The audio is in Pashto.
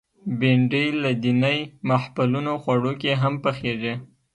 بېنډۍ له دینی محفلونو خوړو کې هم پخېږي